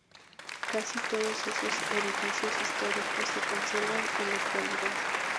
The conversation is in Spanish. Casi todos esos edificios históricos se conservan en la actualidad.